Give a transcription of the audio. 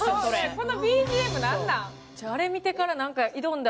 このＢＧＭ、何なん？